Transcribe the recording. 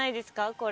これ。